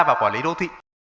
vào quản lý đô thị